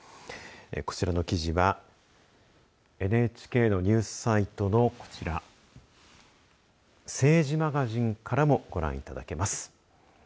こちらの記事はＮＨＫのニュースサイトのこちら、政治マガジンからもご覧いただけます。